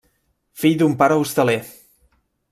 Fill d'un pare hostaler.